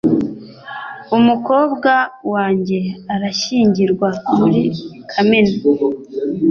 Umukobwa wanjye arashyingirwa muri Kamena.